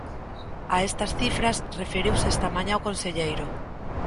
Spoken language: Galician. A estas cifras referiuse esta mañá o conselleiro.